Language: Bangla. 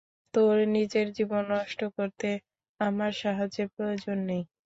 তোর নিজের জীবন নষ্ট করতে আমার সাহায্যের প্রয়োজন নেই।